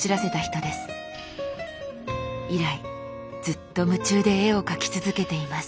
以来ずっと夢中で絵を描き続けています。